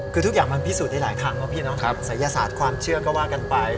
คือทุกอย่างมันพิสูจนได้หลายครั้งเนาะพี่เนาะศัยศาสตร์ความเชื่อก็ว่ากันไป